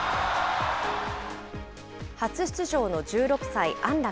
初出場の１６歳、安楽。